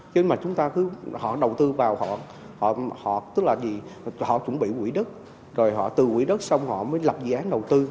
chứ mà chúng ta cứ họ đầu tư vào họ họ chuẩn bị quỹ đất rồi họ từ quỹ đất xong họ mới lập dự án đầu tư